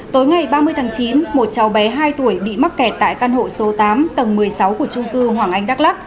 tối ngày ba mươi tháng chín một cháu bé hai tuổi bị mắc kẹt tại căn hộ số tám tầng một mươi sáu của trung cư hoàng anh đắk lắc